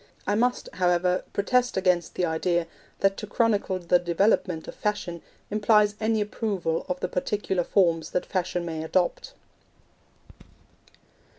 I must, however, protest against the idea that to chronicle the development of Fashion implies any approval of the particular forms that Fashion may adopt.